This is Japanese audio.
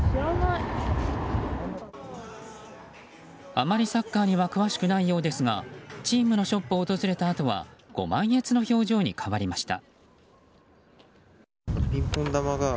あまりサッカーには詳しくないようですがチームのショップを訪れたあとはご満悦の表情に変わりました。